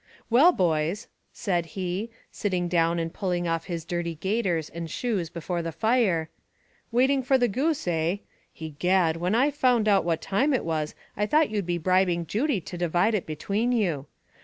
"Well, boys," said he, sitting down and pulling off his dirty gaiters and shoes before the fire, "waiting for the goose, eh? Egad, when I found what time it was, I thought you'd be bribing Judy to divide it between you.